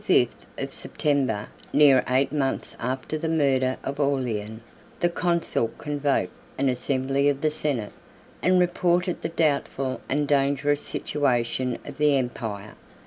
] On the twenty fifth of September, near eight months after the murder of Aurelian, the consul convoked an assembly of the senate, and reported the doubtful and dangerous situation of the empire.